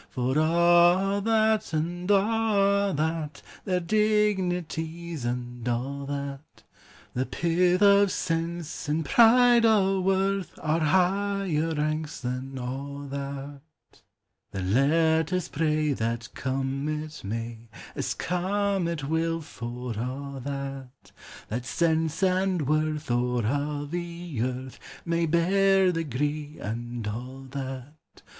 399 For a' that, and a' that ; Their dignities, and a' that, The pith o' sense, and pride o' worth, Are higher ranks than a 1 that. Then let us pray that come it may, — As come it will for a' that, — That sense and worth, o'er a 1 the earth, May hear the gree, and a' that.